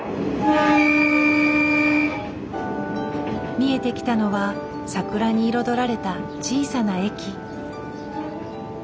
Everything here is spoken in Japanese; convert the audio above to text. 見えてきたのは桜に彩られた小さな駅。